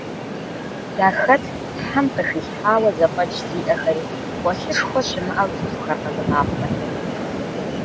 Яхэтт Тхьэм къыхилъхьауэ зэфӏэкӏ зиӏэхэри, къуэлъышхуэ щымыӏэу цӏыхухэр къэзыгъапцӏэхэри.